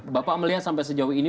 bapak melihat sampai sejauh ini